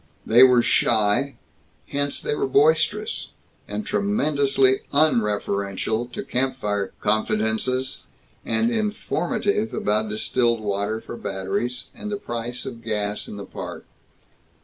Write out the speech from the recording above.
They were shy, hence they were boisterous, and tremendously unreferential to campfire confidences, and informative about distilled water for batteries, and the price of gas in the Park.